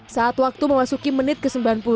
saat waktu memasuki menit ke sembilan puluh